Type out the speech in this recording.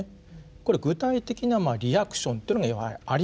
これ具体的なリアクションっていうのがあります。